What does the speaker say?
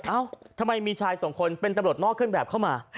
เอ้าทำไมมีชายสองคนเป็นตำรวจนอกเครื่องแบบเข้ามา